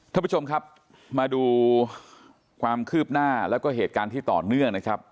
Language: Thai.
ท่านผู้ชมครับมาดูความคืบหน้าแล้วก็เหตุการณ์ที่ต่อเนื่องนะครับ